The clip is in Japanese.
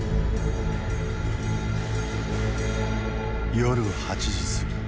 夜８時過ぎ。